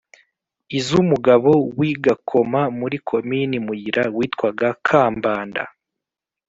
iz'umugabo w'i"gakoma muri komini muyira witwaga kambanda